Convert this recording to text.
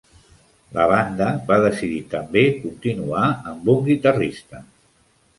La banda va decidir també continuar amb un guitarrista.